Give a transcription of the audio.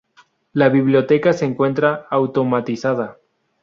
La biblioteca se encuentra automatizada.